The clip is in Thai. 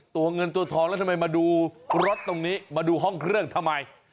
ตัวเงินตัวทองแล้วทำไมมาดูรถตรงนี้มาดูห้องเครื่องทำไม